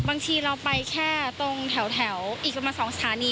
บางทีเราไปแค่ตรงแถวอีกประมาณ๒สถานี